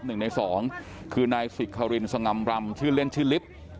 หนึ่งในสองคือนายสิกครินสง่ำรำชื่อเล่นชื่อลิฟต์